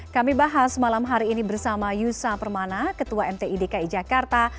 kami bahas malam hari ini bersama yusa permana ketua mti dki jakarta